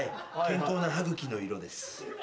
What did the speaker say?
健康な歯茎の色です。